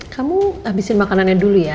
kamu habisin makanannya dulu ya